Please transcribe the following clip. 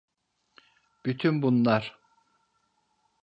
Bütün bunlar…